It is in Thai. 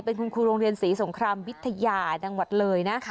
เป็นคุณครูโรงเรียนศรีสงครามวิทยาจังหวัดเลยนะ